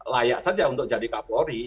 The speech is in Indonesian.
layak saja untuk jadi kapolri